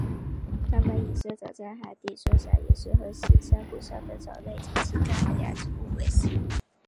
它们以生长在海底松散岩石和死珊瑚上的藻类及其他海洋植物为食。